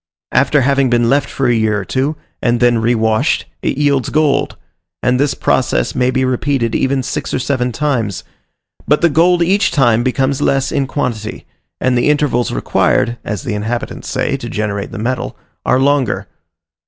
After having been left for a year or two, and then rewashed, it yields gold; and this process may be repeated even six or seven times; but the gold each time becomes less in quantity, and the intervals required (as the inhabitants say, to generate the metal) are longer.